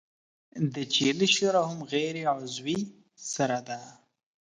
د چیلې شوره هم غیر عضوي سره ده.